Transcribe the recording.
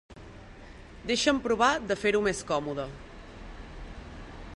Deixa'm provar de fer-ho més còmode.